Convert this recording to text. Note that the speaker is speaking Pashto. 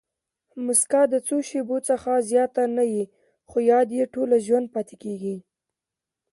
مسکا د څو شېبو څخه زیاته نه يي؛ خو یاد ئې ټوله ژوند پاتېږي.